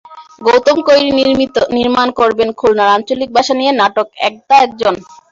গৌতম কৈরি নির্মাণ করবেন খুলনার আঞ্চলিক ভাষা নিয়ে নাটক একদা একজন।